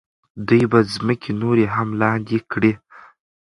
دوی به ځمکې نورې هم لاندې کړي.